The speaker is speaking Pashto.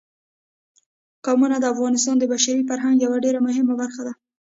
قومونه د افغانستان د بشري فرهنګ یوه ډېره مهمه برخه ده.